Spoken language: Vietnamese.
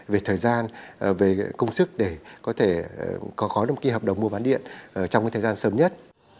về thời gian về công sức để có thể có khói đồng kia hợp đồng mua bán điện trong thời gian sớm nhất